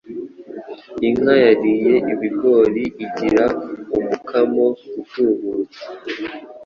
Inka yariye ibigorigori igira umukamo utubutse.